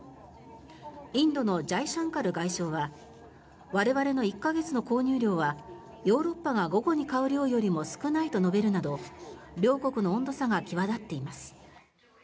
インドのジャイシャンカル外相は我々の１か月の購入量はヨーロッパが午後に買う量よりも少ないと述べるなど両国の温度差が際立っています。